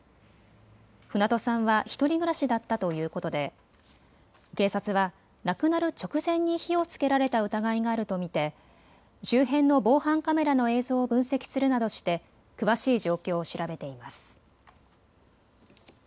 船戸さんは１人暮らしだったということで警察は亡くなる直前に火をつけられた疑いがあると見て周辺の防犯カメラの映像を分析するなどして詳しい状況を調べています。